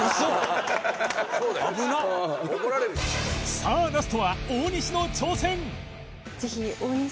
さあラストは大西の挑戦！